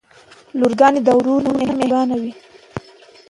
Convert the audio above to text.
لورګانې د وروڼه نه مهربانې وی.